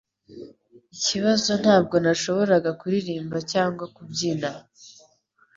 Ikibazo ntabwo nashoboraga kuririmba cyangwa kubyina.